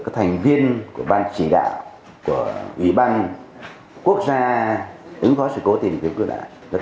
các thành viên của ban chỉ đạo của ủy ban quốc gia ứng phó sự cố tìm kiếm cứu nạn